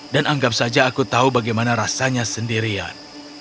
dan anggap saja aku tahu bagaimana rasanya sendirian